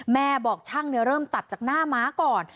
แม่บอกช่างเริ่มตัดจากหน้าม้าก่อน